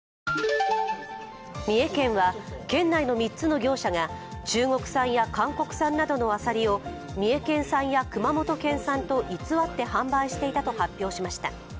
三重県は県内の３つの業者が中国産や韓国産などのあさりを三重県産や熊本県産と偽って販売していたと発表しました。